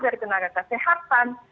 dari tenaga kesehatan